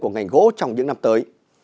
của ngành gỗ trong những năm tới